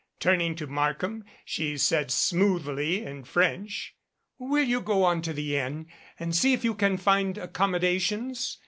Turning to Markham she said smoothly in French : "Will you go on to the Inn and see if you can find accommodations?